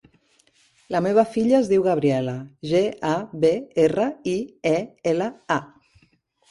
La meva filla es diu Gabriela: ge, a, be, erra, i, e, ela, a.